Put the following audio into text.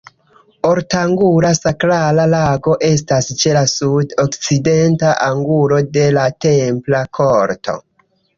Ortangula sakrala lago estas ĉe la sud-okcidenta angulo de la templa korto.